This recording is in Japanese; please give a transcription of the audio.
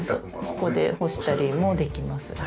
ここで干したりもできます。